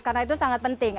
karena itu sangat penting